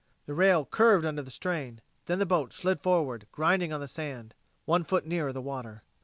The rail curved under the strain, then the boat slid forward, grinding on the sand. One foot nearer the water.